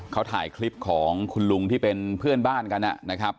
เขาถ่ายคลิปของคุณลุงที่เป็นเพื่อนบ้านกันนะครับ